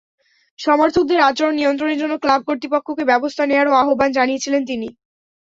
সমর্থকদের আচরণ নিয়ন্ত্রণের জন্য ক্লাব কর্তৃপক্ষকে ব্যবস্থা নেওয়ারও আহ্বান জানিয়েছিলেন তিনি।